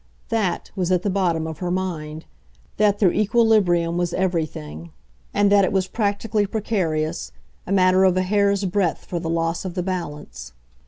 THAT was at the bottom of her mind, that their equilibrium was everything, and that it was practically precarious, a matter of a hair's breadth for the loss of the balance.